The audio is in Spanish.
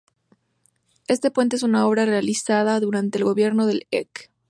Este puente es una obra realizada durante el gobierno del Ec.